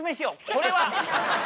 これは。